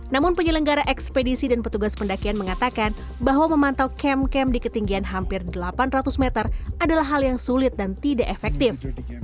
namun penyelenggara ekspedisi dan petugas pendakian mengatakan bahwa memantau kem camp di ketinggian hampir delapan ratus meter adalah hal yang sulit dan tidak efektif